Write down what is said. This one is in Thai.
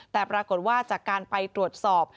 แต่ปรากฏว่าจากการไปตรวจสอบ